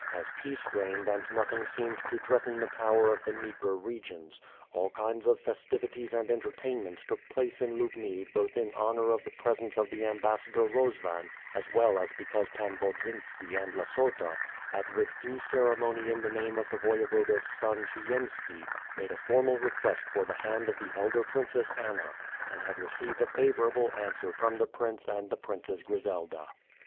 As peace reigned and nothing seemed to threaten the power of the Dnieper regions, all kinds of fes tivities and entertainments took place in Lubni both in honor of the presence of the Ambassador Rozvan as well as because Pan Bodzynski and Lassota had with due ceremony in the name of the Voyevoda's son Pshiyemski made a formal re quest for the hand of the elder princess Anna and had re ceived a favorable answer from the prince and the Princess Qrizelda.